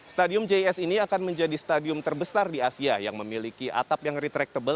stadion jis ini akan menjadi stadion terbesar di asia yang memiliki atap yang retractable